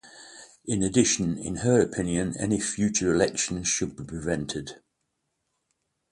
In addition, in her opinion, any future elections should be prevented.